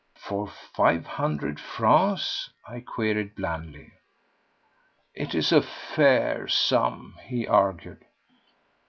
"For five hundred francs?" I queried blandly. "It is a fair sum," he argued.